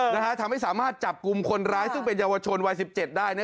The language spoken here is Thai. ทำให้สามารถจับกลุ่มคนร้ายซึ่งเป็นเยาวชนวัยสิบเจ็ดได้